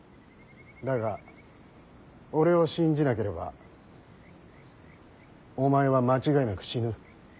だが俺を信じなければお前は間違いなく死ぬ。